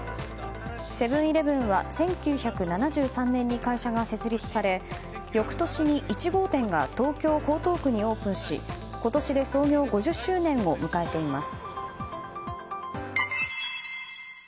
セブン‐イレブンは１９７３年に会社が設立され翌年に１号店が東京・江東区にオープンし今年で創業５０周年を迎えています。